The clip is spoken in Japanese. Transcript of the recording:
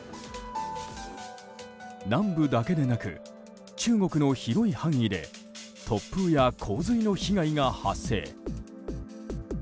南部だけでなく中国の広い範囲で突風や洪水の被害が発生。